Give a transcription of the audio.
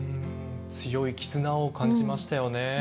強い絆を感じましたよね。